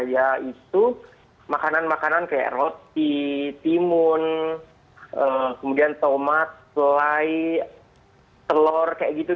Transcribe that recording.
yaitu makanan makanan kayak roti timun kemudian tomat selai telur kayak gitu